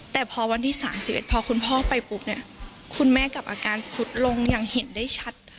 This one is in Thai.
แต่พอวันที่๓๑พอคุณพ่อไปปุ๊บเนี่ยคุณแม่กับอาการสุดลงอย่างเห็นได้ชัด